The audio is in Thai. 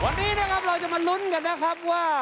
วันนี้นะครับเราจะมาลุ้นกันนะครับว่า